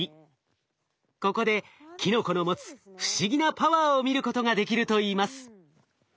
ここでキノコの持つ不思議なパワーを見ることができるといいます。